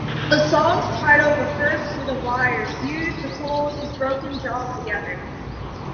The song's title refers to the wires used to hold his broken jaw together.